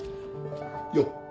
よっ。